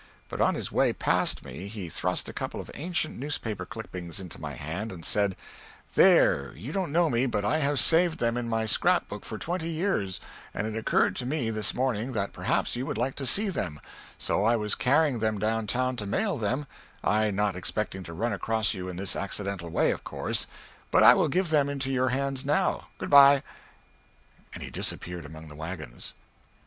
But on his way past me he thrust a couple of ancient newspaper clippings into my hand, and said, "There, you don't know me, but I have saved them in my scrap book for twenty years, and it occurred to me this morning that perhaps you would like to see them, so I was carrying them down town to mail them, I not expecting to run across you in this accidental way, of course; but I will give them into your own hands now. Good by!" and he disappeared among the wagons.